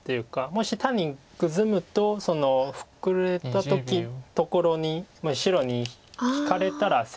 もし単にグズむとそのフクレたところに白に引かれたら先手になるので。